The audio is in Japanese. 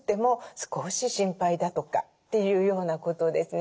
少し心配だとかっていうようなことをですね